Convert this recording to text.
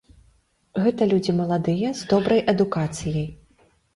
Гэта людзі маладыя, з добрай адукацыяй.